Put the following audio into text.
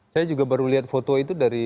saya juga baru lihat foto itu dari